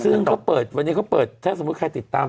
ซึ่งเขาเปิดวันนี้เขาเปิดถ้าสมมุติใครติดตาม